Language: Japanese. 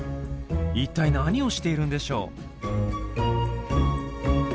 いったい何をしているんでしょう？